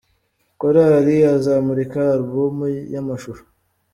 Korali azamurika alubumu y’amashusho